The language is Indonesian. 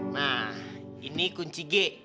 nah ini kunci g